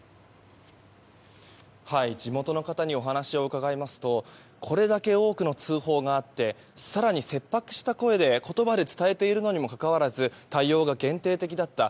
地元の方にお話を伺いますとこれだけ多くの通報があって更に、切迫した声で言葉で伝えているにもかかわらず対応が限定的だった。